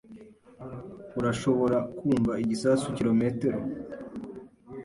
Urashobora kumva igisasu kirometero.